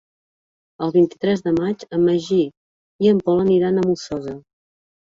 El vint-i-tres de maig en Magí i en Pol aniran a la Molsosa.